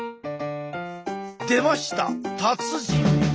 出ました達人！